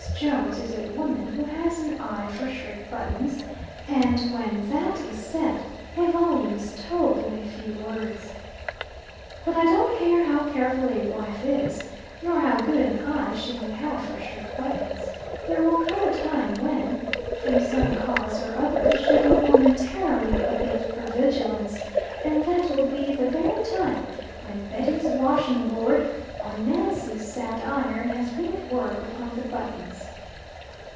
Jones is a woman who has an eye for shirt buttons, and when that is said, a volume is told in a few words. But I don't care how careful a wife is, nor how good an eye she may have for shirt buttons, there will come a time, when, from some cause or other, she will momentarily abate her vigilance, and that will be the very time when Betty's washing board, or Nancy's sad iron, has been at work upon the buttons.